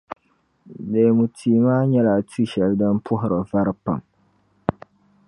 Leemu tia maa nyɛla tia shεli din puhiri vari pam.